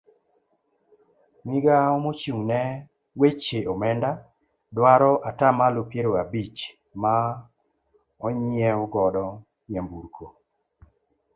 Migawo mochung' ne weche onenda dwaro atamalo piero abich ma onyiew godo nyamburko.